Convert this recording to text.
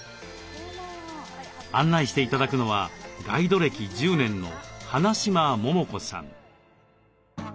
案内して頂くのはガイド歴１０年の花嶋桃子さん。